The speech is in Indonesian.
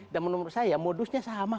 dan menurut saya modusnya sama